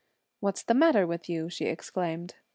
"What's the matter with you?" she exclaimed.